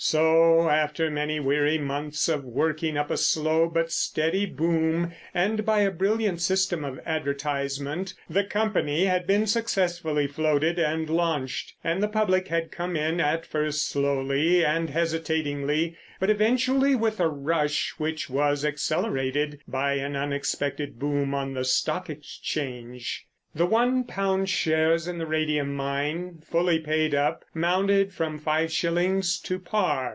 So, after many weary months of working up a slow but steady boom, and by a brilliant system of advertisement, the company had been successfully floated and launched, and the public had come in at first slowly and hesitatingly, but eventually with a rush which was accelerated by an unexpected boom on the Stock Exchange. The one pound shares in the radium mine, fully paid up, mounted from five shillings to par.